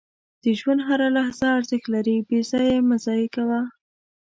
• د ژوند هره لحظه ارزښت لري، بې ځایه یې مه ضایع کوه.